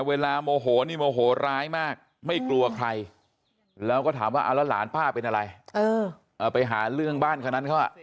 เอาไปหาเรื่องบ้านเขานั้นเขา